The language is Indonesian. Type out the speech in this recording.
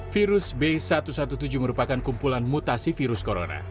virus b satu satu tujuh merupakan kumpulan mutasi virus corona